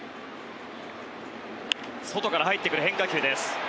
外から入ってくる変化球です。